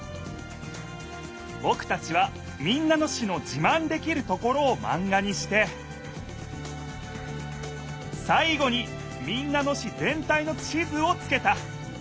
ぼくたちは民奈野市のじまんできるところをマンガにしてさい後に民奈野市ぜん体の地図をつけた。